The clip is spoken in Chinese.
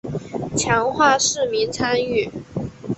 强化市民参与